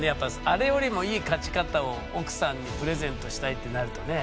あれよりもいい勝ち方を奥さんにプレゼントしたいってなるとね。